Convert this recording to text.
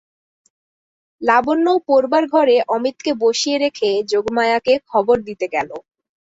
লাবণ্য পড়বার ঘরে অমিতকে বসিয়ে রেখে যোগমায়াকে খবর দিতে গেল।